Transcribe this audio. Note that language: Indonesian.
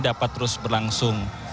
dapat terus berlangsung